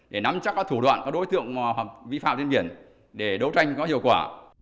để nắm chắc các thủ đoạn các đối tượng vi phạm trên biển để đấu tranh có hiệu quả